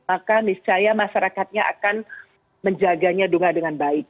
maka misalnya masyarakatnya akan menjaganya dengan baik